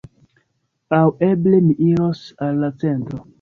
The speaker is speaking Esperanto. Aŭ eble mi iros al la centro.